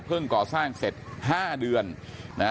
เครื่องก่อสร้างเสร็จห้าเดือนนะ